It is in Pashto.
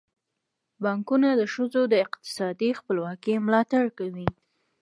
بانکونه د ښځو د اقتصادي خپلواکۍ ملاتړ کوي.